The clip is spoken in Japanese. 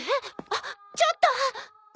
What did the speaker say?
あっちょっと。